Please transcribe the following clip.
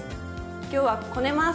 今日はこねます！